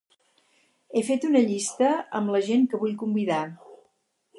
He fet una llista amb la gent que vull convidar.